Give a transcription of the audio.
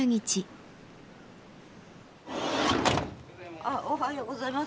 あおはようございます。